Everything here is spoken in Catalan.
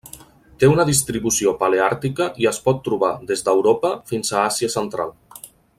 Té una distribució paleàrtica i es pot trobar des d'Europa fins a Àsia Central.